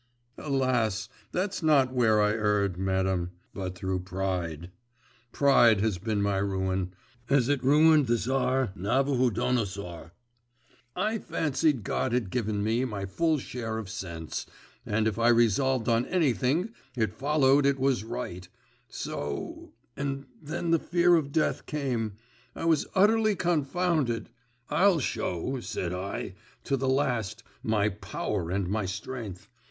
'Alas! that's not where I erred, madam, but through pride. Pride has been my ruin, as it ruined the Tsar Navuhodonosor. I fancied God had given me my full share of sense, and if I resolved on anything, it followed it was right; so … and then the fear of death came … I was utterly confounded! "I'll show," said I, "to the last, my power and my strength!